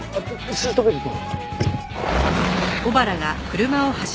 シートベルト。